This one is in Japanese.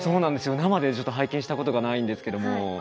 生でちょっと拝見したことがないんですけども。